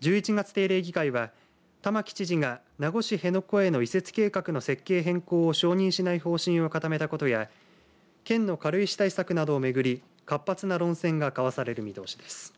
１１月定例議会は玉城知事が名護市辺野古への移設計画の設計変更を承認しない方針を固めたことや県の軽石対策などをめぐり活発な論戦が交わされる見通しです。